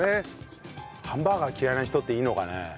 ハンバーガー嫌いな人っているのかね？